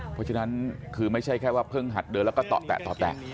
เพราะฉะนั้นคือไม่ใช่แค่ว่าเพิ่งหัดเดินแล้วก็ต่อแตะต่อแตะ